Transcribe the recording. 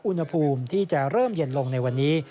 อุณหภูมิที่จะเริ่มเย็นลงในวันนี้